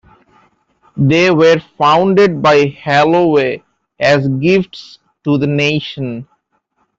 They were founded by Holloway as "Gifts to the nation".